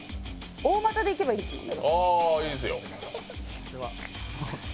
大股で行けばいいですもんね。